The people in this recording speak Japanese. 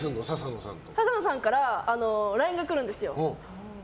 笹野さんからＬＩＮＥが来るんですよ。